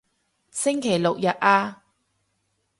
星期六日啊